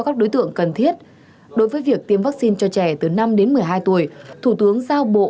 các đối tượng cần thiết đối với việc tiêm vaccine cho trẻ từ năm đến một mươi hai tuổi thủ tướng giao bộ